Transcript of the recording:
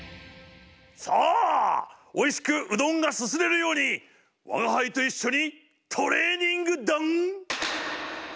さあおいしくうどんがすすれるように我が輩と一緒にトレーニングだん！